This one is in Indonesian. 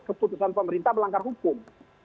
keputusan pemerintah melanggar hukum